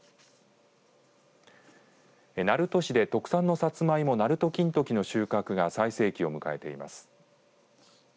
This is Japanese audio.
鳴門市で特産のサツマイモなると金時の収穫が最盛期を迎えています。